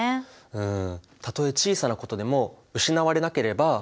うん。